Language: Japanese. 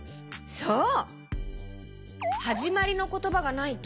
そう！